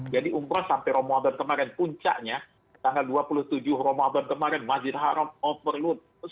jadi umroh sampai ramadan kemarin puncaknya tanggal dua puluh tujuh ramadan kemarin masjid haram overload